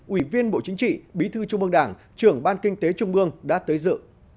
ủy viên bộ chính trị bí thư trung mương đảng trưởng ban kinh tế trung ương đã tới dự